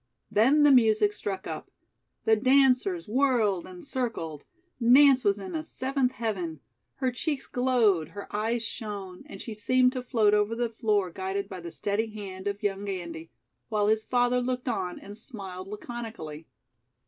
Then the music struck up. The dancers whirled and circled. Nance was in a seventh heaven. Her cheeks glowed, her eyes shone, and she seemed to float over the floor guided by the steady hand of young Andy; while his father looked on and smiled laconically.